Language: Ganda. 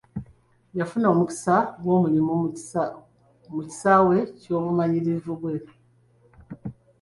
Yafuna omukisa gw'omulimu mu kisaawe ky'obumanyirivu bwe.